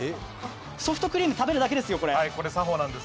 ソフトクリーム食べるだけですよ。